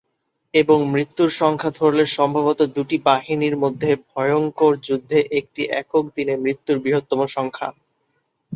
এবং মৃত্যুর সংখ্যা ধরলে সম্ভবত দুটি বাহিনী মধ্যে ভয়ঙ্কর যুদ্ধে একটি একক দিনে মৃত্যুর বৃহত্তম সংখ্যা।